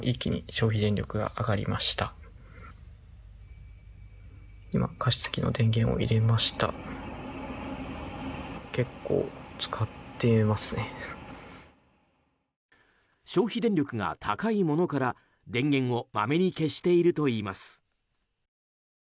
消費電力が高いものから電源をまめに消しているといいます。